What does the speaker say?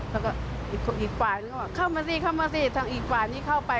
แล้วก็อีกฝ่ายฝ่ายอีกฝ่ายอย่างนี้เข้าไป